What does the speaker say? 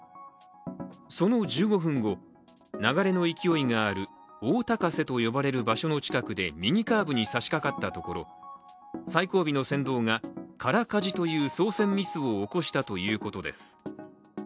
その１５分後、流れの勢いがある大高瀬と呼ばれる場所の近くで右カーブにさしかかったところ最後尾の船頭が空かじという操船ミスを起こしたということです。